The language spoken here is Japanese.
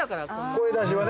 声出しはね。